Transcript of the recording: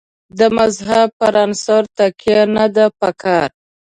د مذهب پر عنصر تکیه نه ده په کار.